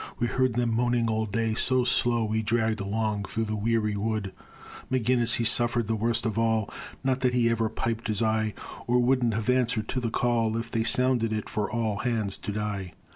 We heard them moaning all day, so slow We dragged along through the weary wood. McGinnis, he suffered the worst of all; Not that he ever piped his eye Or wouldn't have answered to the call If they'd sounded it for "All hands to die."